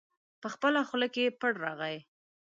په خپله خوله کې پړ راغی.